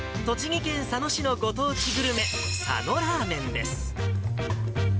栃木県佐野市のご当地グルメ、佐野ラーメンです。